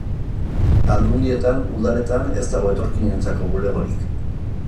Aldundietan, udaletan, ez dago etorkinentzako bulegorik.